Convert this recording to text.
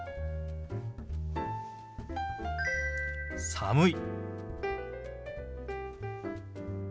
「寒い」。